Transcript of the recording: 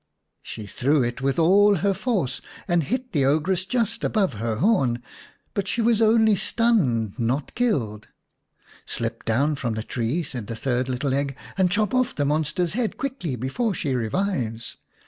She threw it with all her force and hit the ogress just above her horn ; but she was only stunned, not killed. " Slip down from the tree," said the third little egg, " and chop off the monster's head quickly before she revives."